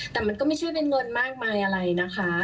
แต่มันก็ไม่ใช่เป็นเงินมากมายอะไรนะคะ